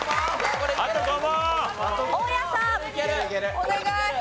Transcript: お願い。